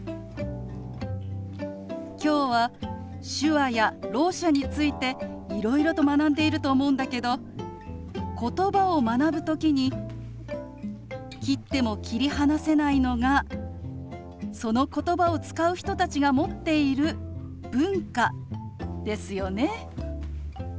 今日は手話やろう者についていろいろと学んでいると思うんだけどことばを学ぶ時に切っても切り離せないのがそのことばを使う人たちが持っている文化ですよね。